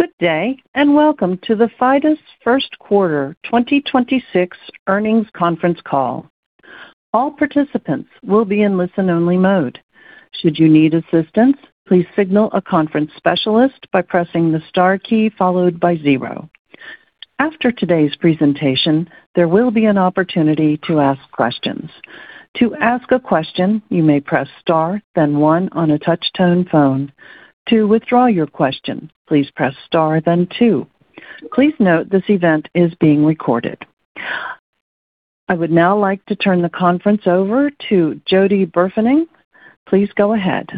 Good day, and welcome to the Fidus first quarter 2026 earnings conference call. All participants will be in listen only mode. Should you need assistants, please signal conference specialists by pressing the star key followed by zero. After today presentation, the will be an opportunity to ask questions. To ask a question, you may press star then one on a touchtone phone. To withdraw your question, please press star then two. Please noted that this event is being recorded. I would now like to turn the conference over to Jody Burfening. Please go ahead.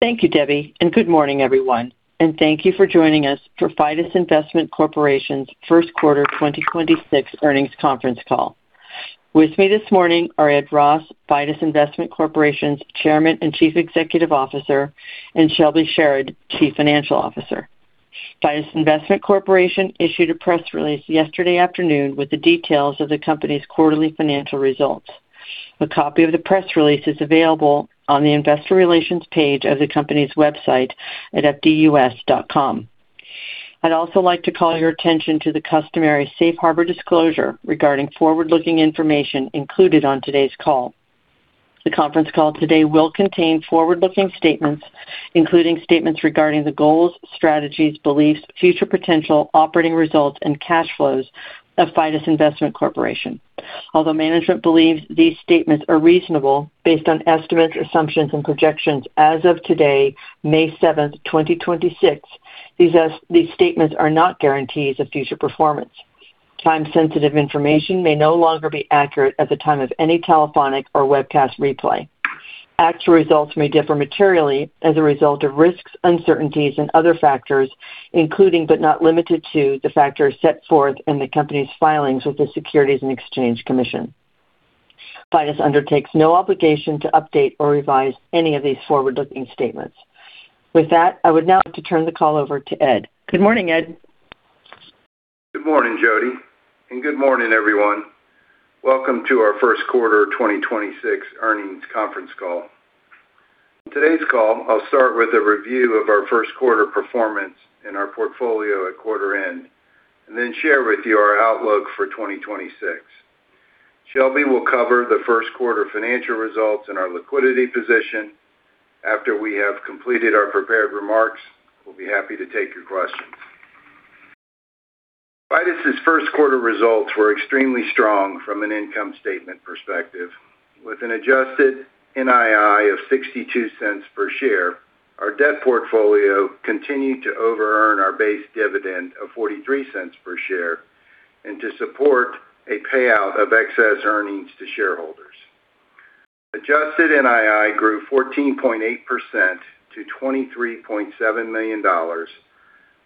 Thank you, Debbie, and good morning, everyone, and thank you for joining us for Fidus Investment Corporation's first quarter 2026 earnings conference call. With me this morning are Ed Ross, Fidus Investment Corporation's Chairman and Chief Executive Officer, and Shelby Sherard, Chief Financial Officer. Fidus Investment Corporation issued a press release yesterday afternoon with the details of the company's quarterly financial results. A copy of the press release is available on the investor relations page of the company's website at fdus.com. I'd also like to call your attention to the customary safe harbor disclosure regarding forward-looking information included on today's call. The conference call today will contain forward-looking statements, including statements regarding the goals, strategies, beliefs, future potential, operating results, and cash flows of Fidus Investment Corporation. Although management believes these statements are reasonable, based on estimates, assumptions and projections as of today, May 7th, 2026, these statements are not guarantees of future performance. Time-sensitive information may no longer be accurate at the time of any telephonic or webcast replay. Actual results may differ materially as a result of risks, uncertainties and other factors, including, but not limited to, the factors set forth in the company's filings with the Securities and Exchange Commission. Fidus undertakes no obligation to update or revise any of these forward-looking statements. With that, I would now like to turn the call over to Ed. Good morning, Ed. Good morning, Jody, and good morning, everyone. Welcome to our first quarter 2026 earnings conference call. On today's call, I'll start with a review of our first quarter performance in our portfolio at quarter end and then share with you our outlook for 2026. Shelby will cover the first quarter financial results and our liquidity position. After we have completed our prepared remarks, we'll be happy to take your questions. Fidus' first quarter results were extremely strong from an income statement perspective. With an adjusted NII of $0.62 per share, our debt portfolio continued to over earn our base dividend of $0.43 per share and to support a payout of excess earnings to shareholders. Adjusted NII grew 14.8%-$23.7 million,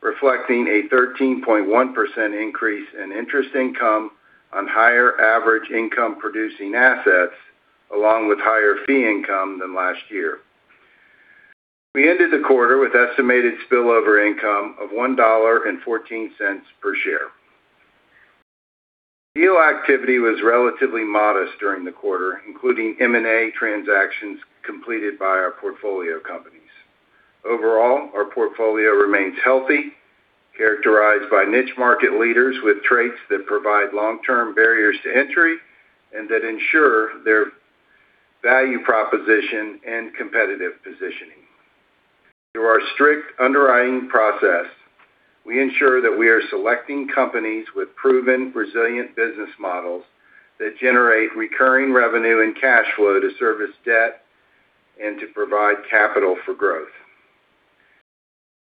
reflecting a 13.1% increase in interest income on higher average income producing assets along with higher fee income than last year. We ended the quarter with estimated spillover income of $1.14 per share. Deal activity was relatively modest during the quarter, including M&A transactions completed by our portfolio companies. Overall, our portfolio remains healthy, characterized by niche market leaders with traits that provide long-term barriers to entry and that ensure their value proposition and competitive positioning. Through our strict underwriting process, we ensure that we are selecting companies with proven resilient business models that generate recurring revenue and cash flow to service debt and to provide capital for growth.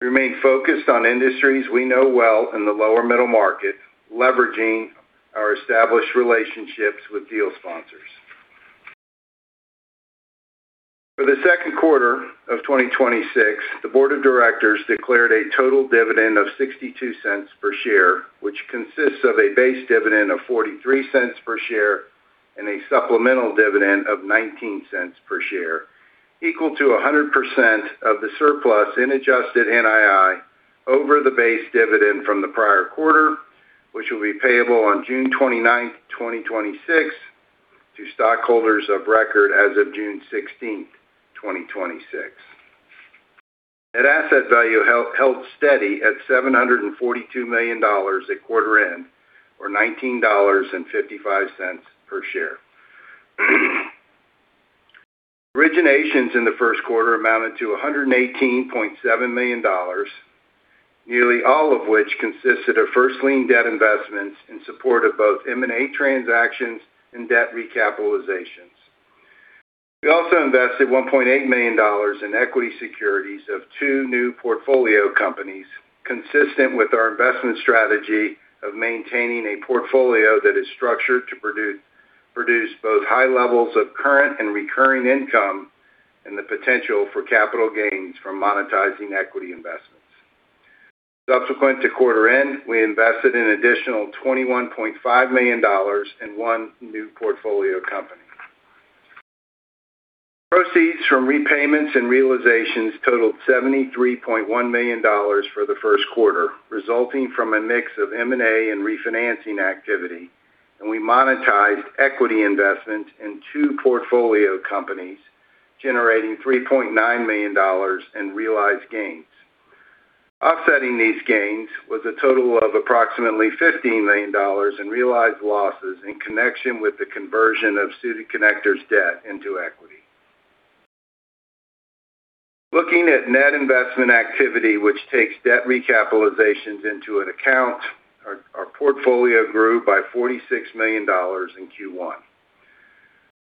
We remain focused on industries we know well in the lower middle market, leveraging our established relationships with deal sponsors. For the second quarter of 2026, the board of directors declared a total dividend of $0.62 per share, which consists of a base dividend of $0.43 per share and a supplemental dividend of $0.19 per share, equal to 100% of the surplus in adjusted NII over the base dividend from the prior quarter, which will be payable on June 29, 2026 to stockholders of record as of June 16, 2026. Net asset value held steady at $742 million at quarter end, or $19.55 per share. Originations in the 1st quarter amounted to $118.7 million, nearly all of which consisted of first lien debt investments in support of both M&A transactions and debt recapitalizations. We also invested $1.8 million in equity securities of two new portfolio companies, consistent with our investment strategy of maintaining a portfolio that is structured to produce both high levels of current and recurring income and the potential for capital gains from monetizing equity investments. Subsequent to quarter end, we invested an additional $21.5 million in one new portfolio company. Proceeds from repayments and realizations totaled $73.1 million for the first quarter, resulting from a mix of M&A and refinancing activity. We monetized equity investment in two portfolio companies, generating $3.9 million in realized gains. Offsetting these gains was a total of approximately $15 million in realized losses in connection with the conversion of City Connector's debt into equity. Looking at net investment activity, which takes debt recapitalizations into an account, our portfolio grew by $46 million in Q1.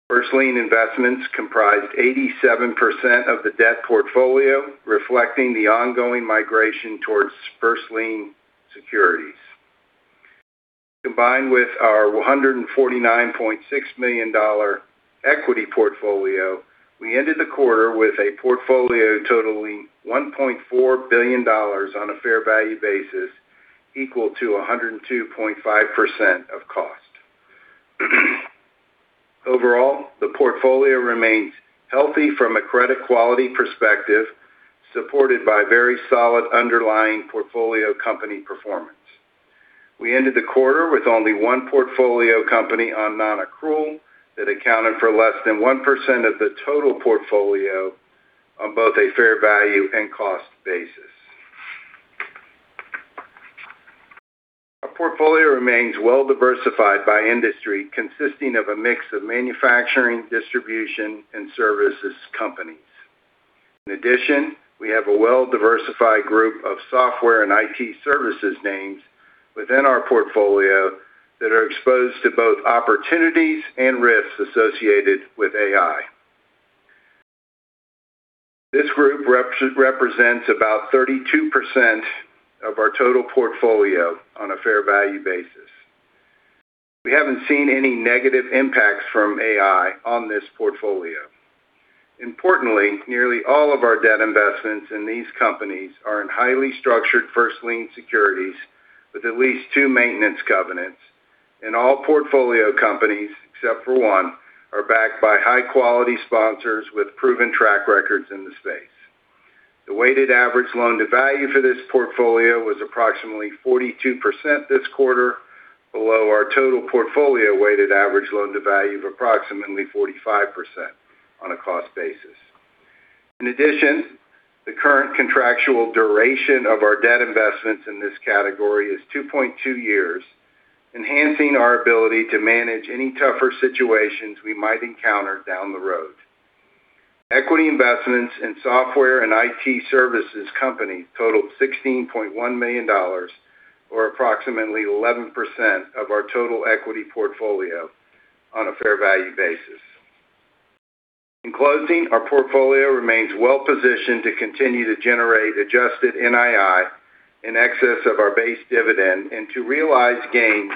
First lien investments comprised 87% of the debt portfolio, reflecting the ongoing migration towards first lien securities. Combined with our $149.6 million equity portfolio, we ended the quarter with a portfolio totaling $1.4 billion on a fair value basis, equal to 102.5% of cost. Overall, the portfolio remains healthy from a credit quality perspective, supported by very solid underlying portfolio company performance. We ended the quarter with only one portfolio company on non-accrual that accounted for less than 1% of the total portfolio on both a fair value and cost basis. Our portfolio remains well-diversified by industry, consisting of a mix of manufacturing, distribution and services companies. In addition, we have a well-diversified group of software and IT services names within our portfolio that are exposed to both opportunities and risks associated with AI. This group represents about 32% of our total portfolio on a fair value basis. We haven't seen any negative impacts from AI on this portfolio. Importantly, nearly all of our debt investments in these companies are in highly structured first lien securities with at least two maintenance covenants. All portfolio companies, except for one, are backed by high-quality sponsors with proven track records in the space. The weighted average loan-to-value for this portfolio was approximately 42% this quarter, below our total portfolio weighted average loan-to-value of approximately 45% on a cost basis. In addition, the current contractual duration of our debt investments in this category is 2.2 years, enhancing our ability to manage any tougher situations we might encounter down the road. Equity investments in software and IT services companies totaled $16.1 million, or approximately 11% of our total equity portfolio on a fair value basis. In closing, our portfolio remains well-positioned to continue to generate adjusted NII in excess of our base dividend and to realize gains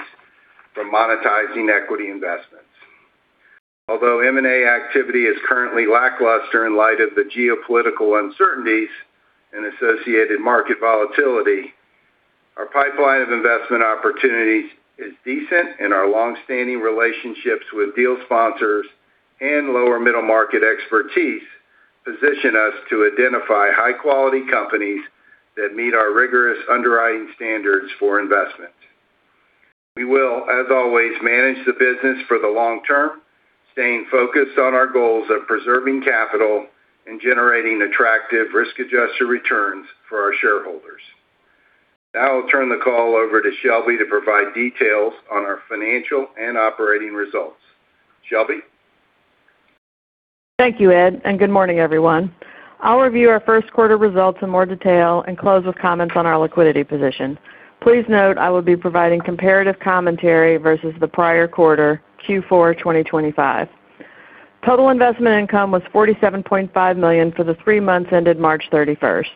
from monetizing equity investments. Although M&A activity is currently lackluster in light of the geopolitical uncertainties and associated market volatility, our pipeline of investment opportunities is decent, and our long-standing relationships with deal sponsors and lower middle market expertise position us to identify high-quality companies that meet our rigorous underwriting standards for investment. We will, as always, manage the business for the long term, staying focused on our goals of preserving capital and generating attractive risk-adjusted returns for our shareholders. Now I'll turn the call over to Shelby to provide details on our financial and operating results. Shelby? Thank you, Ed. Good morning, everyone. I'll review our first quarter results in more detail and close with comments on our liquidity position. Please note I will be providing comparative commentary versus the prior quarter, Q4 2025. Total investment income was $47.5 million for the three months ended March thirty-first.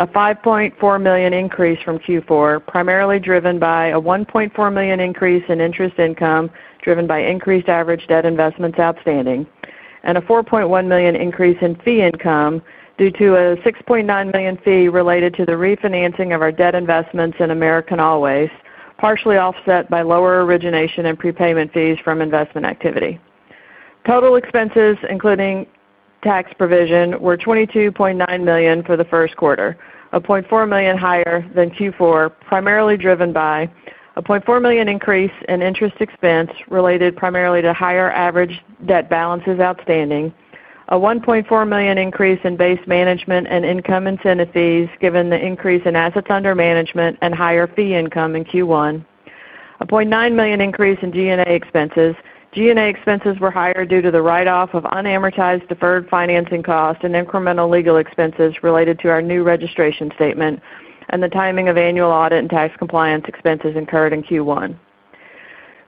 A $5.4 million increase from Q4, primarily driven by a $1.4 million increase in interest income driven by increased average debt investments outstanding, and a $4.1 million increase in fee income due to a $6.9 million fee related to the refinancing of our debt investments in American AllWaste, partially offset by lower origination and prepayment fees from investment activity. Total expenses, including tax provision, were $22.9 million for the first quarter, a $0.4 million higher than Q4, primarily driven by a $0.4 million increase in interest expense related primarily to higher average debt balances outstanding. A $1.4 million increase in base management and income incentive fees given the increase in assets under management and higher fee income in Q1. A $0.9 million increase in G&A expenses. G&A expenses were higher due to the write-off of unamortized deferred financing costs and incremental legal expenses related to our new registration statement and the timing of annual audit and tax compliance expenses incurred in Q1.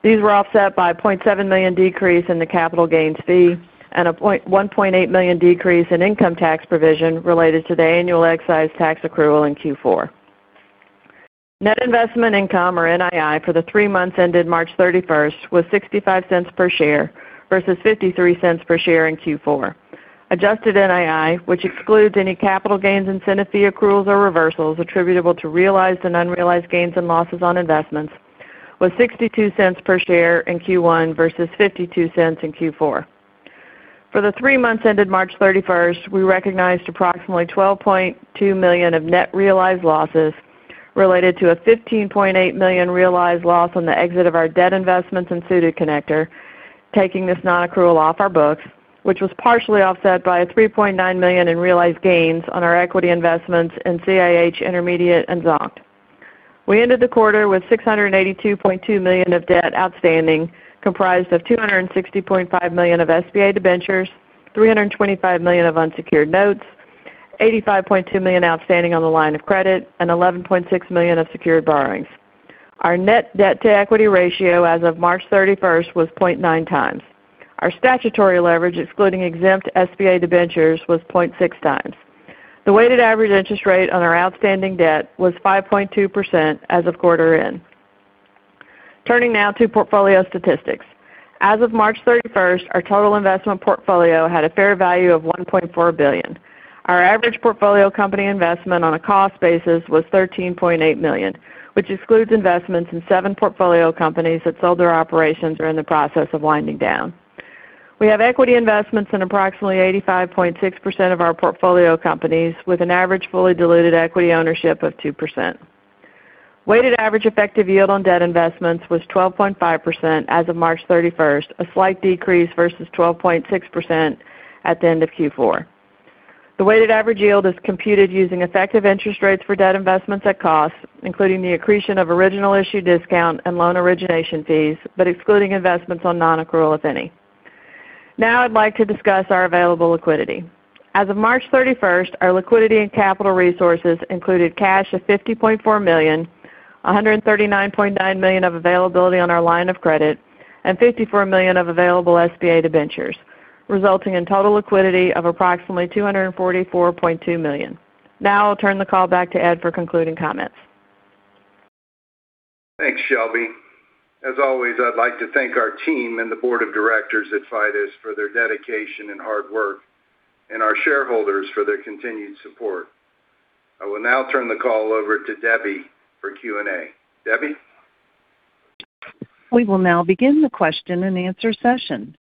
These were offset by a $0.7 million decrease in the capital gains fee and a $1.8 million decrease in income tax provision related to the annual excise tax accrual in Q4. Net investment income, or NII, for the three months ended March 31st was $0.65 per share versus $0.53 per share in Q4. Adjusted NII, which excludes any capital gains incentive fee accruals or reversals attributable to realized and unrealized gains and losses on investments, was $0.62 per share in Q1 versus $0.52 in Q4. For the three months ended March 31st, we recognized approximately $12.2 million of net realized losses related to a $15.8 million realized loss on the exit of our debt investments in City Connector, taking this non-accrual off our books, which was partially offset by a $3.9 million in realized gains on our equity investments in CIH Intermediate and Zonkd. We ended the quarter with $682.2 million of debt outstanding, comprised of $260.5 million of SBA debentures, $325 million of unsecured notes, $85.2 million outstanding on the line of credit, and $11.6 million of secured borrowings. Our net debt to equity ratio as of March 31st was 0.9x. Our statutory leverage, excluding exempt SBA debentures, was 0.6x. The weighted average interest rate on our outstanding debt was 5.2% as of quarter end. Turning now to portfolio statistics. As of March 31st, our total investment portfolio had a fair value of $1.4 billion. Our average portfolio company investment on a cost basis was $13.8 million, which excludes investments in seven portfolio companies that sold their operations or are in the process of winding down. We have equity investments in approximately 85.6% of our portfolio companies, with an average fully diluted equity ownership of 2%. Weighted average effective yield on debt investments was 12.5% as of March thirty-first, a slight decrease versus 12.6% at the end of Q4. The weighted average yield is computed using effective interest rates for debt investments at cost, including the accretion of original issue discount and loan origination fees, but excluding investments on non-accrual, if any. I'd like to discuss our available liquidity. As of March 31st, our liquidity and capital resources included cash of $50.4 million, $139.9 million of availability on our line of credit, and $54 million of available SBA debentures, resulting in total liquidity of approximately $244.2 million. I'll turn the call back to Ed for concluding comments. Thanks, Shelby. As always, I'd like to thank our team and the board of directors at Fidus for their dedication and hard work and our shareholders for their continued support. I will now turn the call over to Debbie for Q&A. Debbie? We will now begin the question-and-answer session.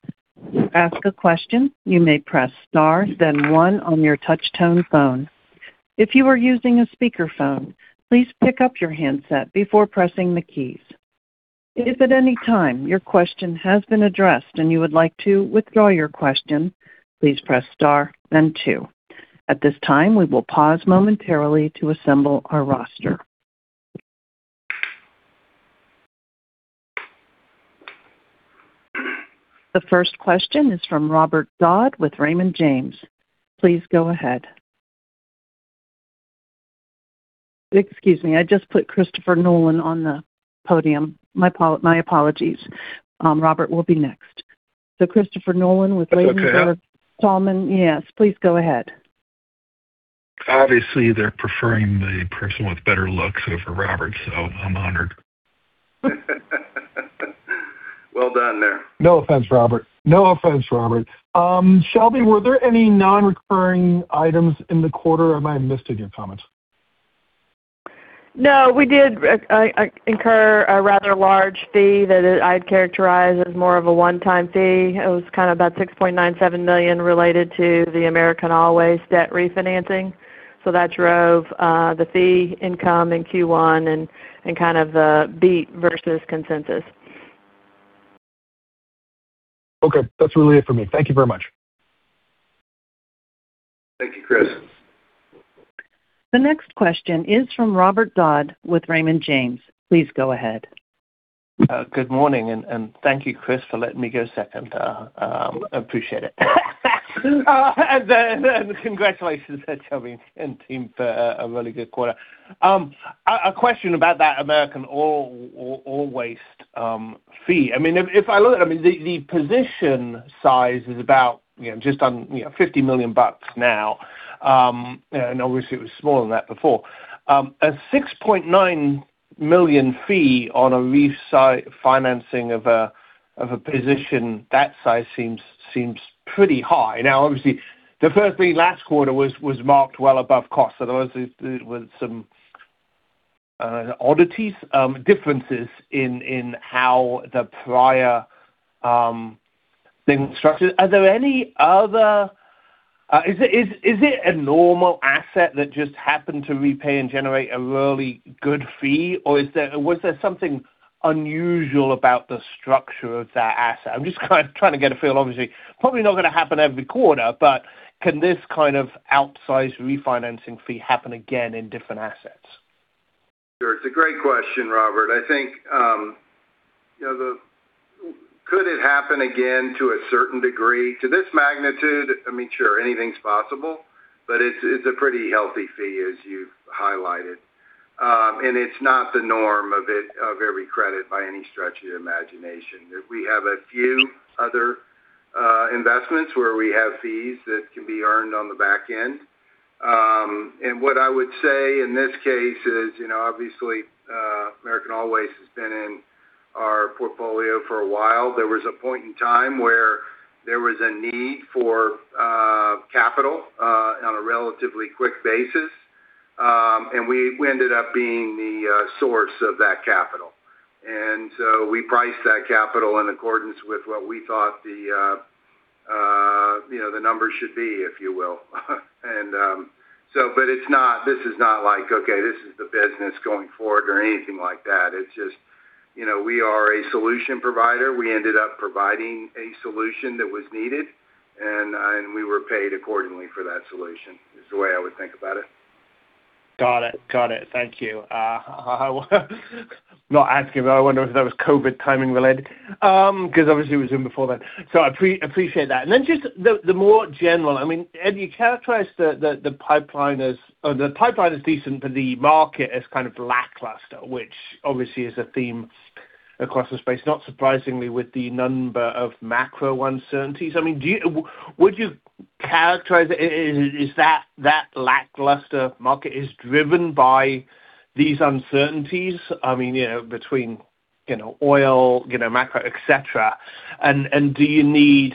To ask a question, you may press star then one on your touch tone phone. If you are using a speakerphone, please pick up your handset before pressing the keys. If at any time your question has been addressed and you would like to withdraw your question, please press star then two. At this time, we will pause momentarily to assemble our roster. The first question is from Robert Dodd with Raymond James. Please go ahead. Excuse me. I just put Christopher Nolan on the podium. My apologies. Robert will be next. Christopher Nolan with- That's okay. Ladenburg Thalmann. Yes, please go ahead. Obviously, they're preferring the person with better looks over Robert, so I'm honored. Well done there. No offense, Robert. Shelby, were there any non-recurring items in the quarter or am I missing in your comments? No, we did incur a rather large fee that I'd characterize as more of a one-time fee. It was kind of about $6.97 million related to the American AllWaste debt refinancing. That drove the fee income in Q1 and kind of the beat versus consensus. Okay. That's really it for me. Thank you very much. Thank you, Chris. The next question is from Robert Dodd with Raymond James. Please go ahead. Good morning, and thank you, Christopher Nolan, for letting me go second. Appreciate it. Congratulations to Shelby Sherard and team for a really good quarter. A question about that American AllWaste fee. I mean, if I look, I mean, the position size is about, you know, just on, you know, $50 million now. Obviously it was smaller than that before. A $6.9 million fee on a refi financing of a position that size seems pretty high. Obviously, the first fee last quarter was marked well above cost. There was some oddities, differences in how the prior thing was structured. Are there any other, is it a normal asset that just happened to repay and generate a really good fee, or was there something unusual about the structure of that asset? I'm just kind of trying to get a feel. Obviously, probably not gonna happen every quarter, but can this kind of outsized refinancing fee happen again in different assets? Sure. It's a great question, Robert. I think, you know, the Could it happen again? To a certain degree. To this magnitude, I mean, sure, anything's possible, but it's a pretty healthy fee, as you've highlighted. It's not the norm of it, of every credit by any stretch of the imagination. We have a few other investments where we have fees that can be earned on the back end. What I would say in this case is, you know, obviously, American AllWaste has been in our portfolio for a while. There was a point in time where there was a need for capital on a relatively quick basis. We, we ended up being the source of that capital. We priced that capital in accordance with what we thought the, you know, the numbers should be, if you will. This is not like, okay, this is the business going forward or anything like that. It's just, you know, we are a solution provider. We ended up providing a solution that was needed, and we were paid accordingly for that solution, is the way I would think about it. Got it. Got it. Thank you. I not asking, but I wonder if that was COVID timing related, 'cause obviously it was Zoom before that, so I appreciate that. Then just the more general, I mean, Ed, you characterized the pipeline as decent, but the market as kind of lackluster, which obviously is a theme across the space, not surprisingly with the number of macro uncertainties. I mean, would you characterize it, is that lackluster market is driven by these uncertainties? I mean, you know, between, you know, oil, you know, macro, et cetera. Do you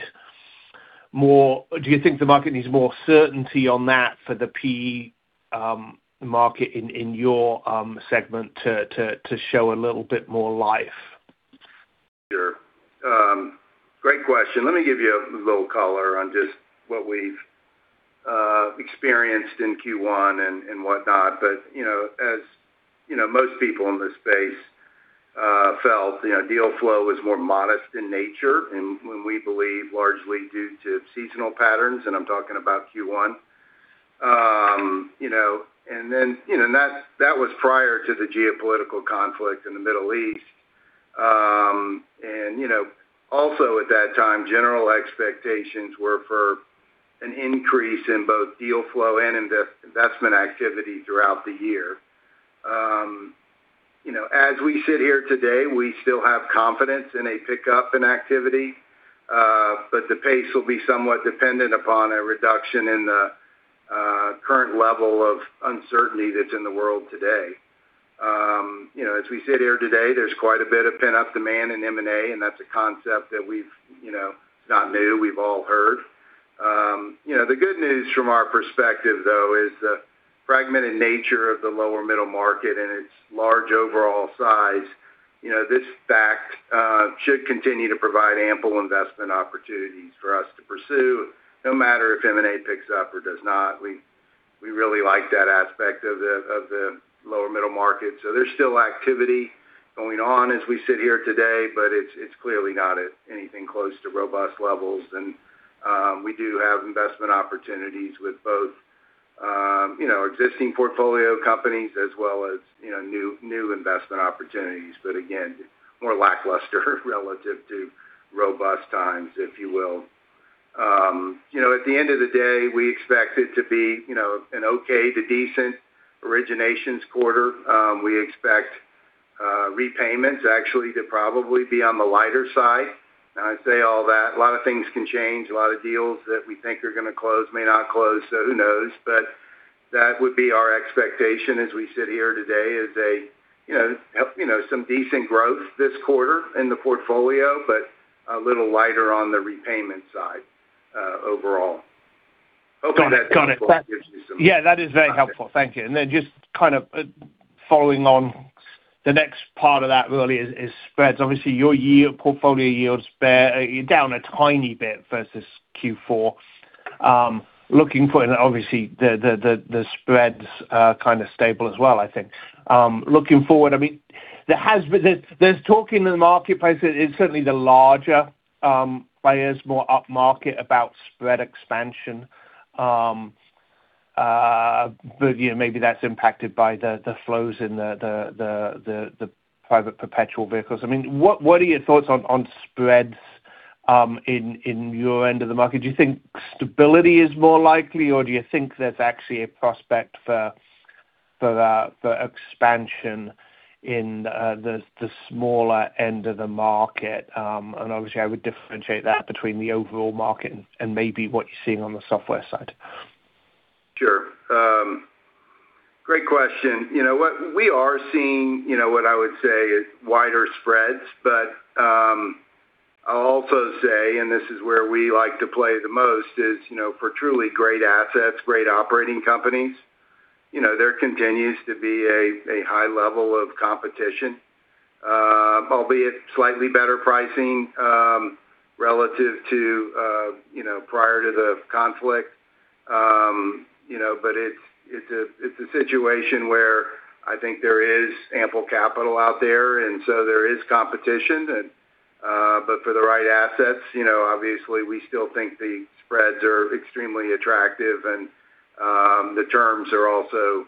think the market needs more certainty on that for the PE market in your segment to show a little bit more life? Sure. Great question. Let me give you a little color on just what we've experienced in Q1 and whatnot. You know, as, you know, most people in this space felt, you know, deal flow was more modest in nature and when we believe largely due to seasonal patterns, and I'm talking about Q1. You know, you know, that was prior to the geopolitical conflict in the Middle East. You know, also at that time, general expectations were for an increase in both deal flow and investment activity throughout the year. You know, as we sit here today, we still have confidence in a pickup in activity, the pace will be somewhat dependent upon a reduction in the current level of uncertainty that's in the world today. You know, as we sit here today, there's quite a bit of pent-up demand in M&A, and that's a concept that we've, you know, it's not new. We've all heard. You know, the good news from our perspective, though, is the fragmented nature of the lower middle market and its large overall size. You know, this fact, should continue to provide ample investment opportunities for us to pursue no matter if M&A picks up or does not. We really like that aspect of the lower middle market. There's still activity going on as we sit here today, but it's clearly not at anything close to robust levels. We do have investment opportunities with both, you know, existing portfolio companies as well as, you know, new investment opportunities. Again, more lackluster relative to robust times, if you will. You know, at the end of the day, we expect it to be, you know, an okay to decent originations quarter. We expect repayments actually to probably be on the lighter side. Now, I say all that. A lot of things can change. A lot of deals that we think are gonna close may not close, so who knows? But that would be our expectation as we sit here today, is a, you know, help, you know, some decent growth this quarter in the portfolio, but a little lighter on the repayment side overall. Got it. Got it. Hopefully that gives you some- Yeah, that is very helpful. Thank you. Then just kind of following on the next part of that really is spreads. Obviously, your yield, portfolio yields bear You're down a tiny bit versus Q4. Looking forward obviously the spreads are kinda stable as well, I think. Looking forward, I mean, there has been There's talking in the marketplace, it's certainly the larger players more upmarket about spread expansion. You know, maybe that's impacted by the flows in the private perpetual vehicles. I mean, what are your thoughts on spreads in your end of the market? Do you think stability is more likely, or do you think there's actually a prospect for expansion in the smaller end of the market? Obviously I would differentiate that between the overall market and maybe what you're seeing on the software side. Sure. Great question. You know what, we are seeing, you know, what I would say is wider spreads. I'll also say, and this is where we like to play the most, is, you know, for truly great assets, great operating companies, you know, there continues to be a high level of competition. Albeit slightly better pricing, relative to, you know, prior to the conflict. You know, it's a situation where I think there is ample capital out there and so there is competition and, but for the right assets, you know, obviously we still think the spreads are extremely attractive and the terms are also,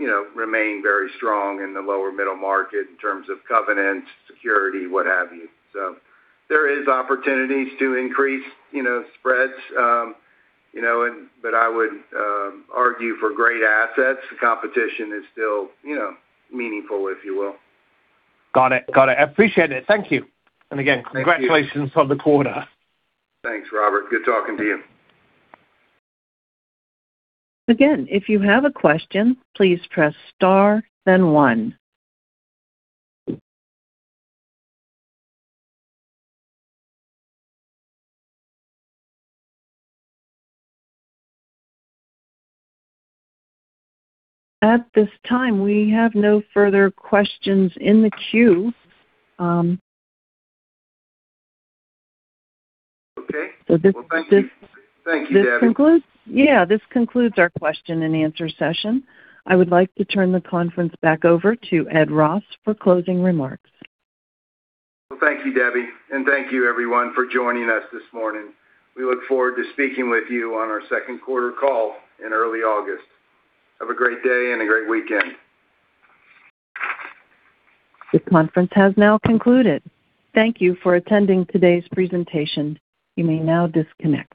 you know, remain very strong in the lower middle market in terms of covenants, security, what have you. There is opportunities to increase, you know, spreads, you know, and but I would argue for great assets. The competition is still, you know, meaningful, if you will. Got it. Got it. I appreciate it. Thank you. Thank you. Again, congratulations on the quarter. Thanks, Robert. Good talking to you. Again, if you have a question, please press star then one. At this time, we have no further questions in the queue. Okay. So this- Well, thank you. Thank you, Debbie. This concludes our question and answer session. I would like to turn the conference back over to Ed Ross for closing remarks. Well, thank you, Debbie. Thank you everyone for joining us this morning. We look forward to speaking with you on our second quarter call in early August. Have a great day and a great weekend. This conference has now concluded. Thank you for attending today's presentation. You may now disconnect.